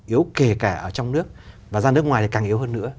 yếu kể cả ở trong nước và ra nước ngoài thì càng yếu hơn nữa